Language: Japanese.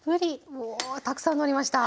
うおたくさんのりました。